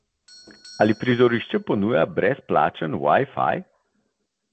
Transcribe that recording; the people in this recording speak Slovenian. Ali prizorišče ponuja brezplačen Wi-Fi?